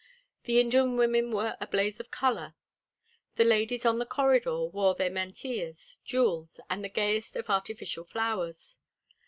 The Indian women were a blaze of color. The ladies on the corridor wore their mantillas, jewels, and the gayest of artificial flowers.